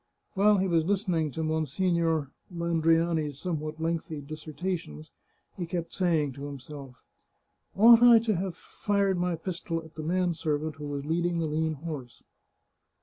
While he was lis tening to Monsignore Landriani's somewhat lengthy dis sertations he kept saying to himself, " Ought I to have fired my pistol at the man servant who was leading the lean horse